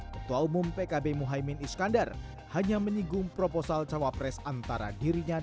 ketua umum pkb muhaymin iskandar hanya menyinggung proposal cawapres antara dirinya dan